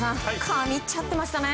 神っちゃってましたね。